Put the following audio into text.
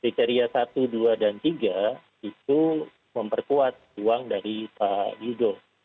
kriteria satu dua dan tiga itu memperkuat uang dari pak yudo